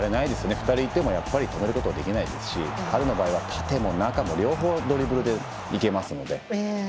２人いても止めることはできないですし彼の場合は縦も中も両方ドリブルで行けますので。